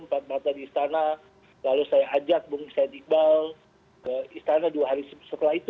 pak andi istana lalu saya ajak bung sain iqbal ke istana dua hari setelah itu